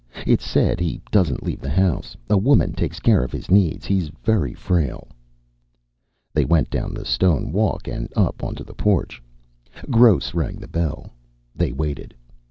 It's said he doesn't leave the house. A woman takes care of his needs. He's very frail." They went down the stone walk and up onto the porch. Gross rang the bell. They waited.